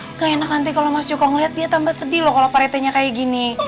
enggak enak nanti kalau mas joko ngeliat dia tambah sedih loh kalau paretenya kayak gini